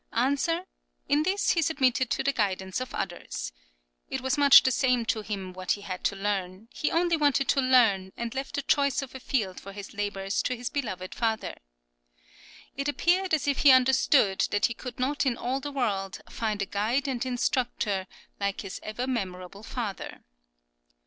Answer: In this he submitted to the guidance of others. It was much the same to him what he had to learn; he only wanted to learn, and left the choice of a field for his labours to his beloved father.[10033] It appeared as if he understood that he could not in all the world find a guide and instructor like his ever memorable father.